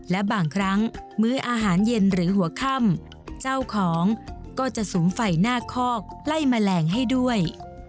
และบางครั้งมื้ออาหารเย็นหรือหัวค่ำเจ้าของก็จะสุมไฟหน้าคอกไล่แมลงให้ด้วย